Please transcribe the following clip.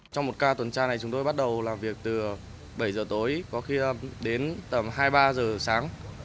trong một ca tuần tra này chúng tôi bắt đầu làm việc từ bảy giờ tối có khi đến tầm hai mươi ba giờ sáng